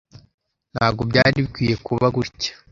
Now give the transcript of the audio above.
Ntabwo byari bikwiye kuba gutya.